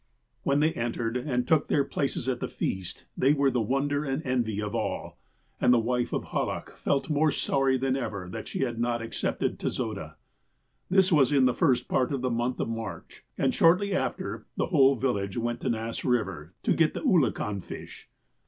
" When they entered, and took their places at the feast, they were the wonder and envy of all, and the wife of Hal lach felt more sorry than ever that she had not accepted Tezoda. " This was in the first part of the month of March, and, shortly after, the whole village went to Nass Eiver to get the oolakau fish.